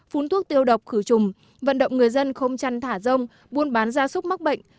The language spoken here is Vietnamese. phun thuốc tiêu độc khử trùng vận động người dân không chăn thả rông buôn bán gia súc mắc bệnh